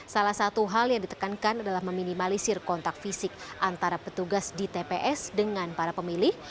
salah satu hal yang ditekankan adalah meminimalisir kontak fisik antara petugas di tps dengan para pemilih